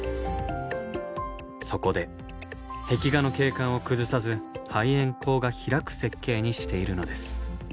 そこで壁画の景観を崩さず排煙口が開く設計にしているのです。